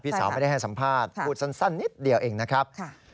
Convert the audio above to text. สาวไม่ได้ให้สัมภาษณ์พูดสั้นนิดเดียวเองนะครับ